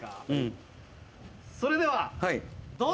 それでは、どうぞ！